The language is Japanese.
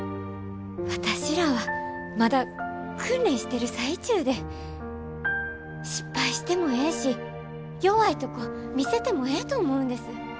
私らはまだ訓練してる最中で失敗してもええし弱いとこ見せてもええと思うんです。